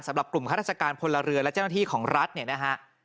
สำหรับกลุ่มข้าราชการพลเรือและเจ้าหน้าที่ของรัฐเนี่ยนะฮะ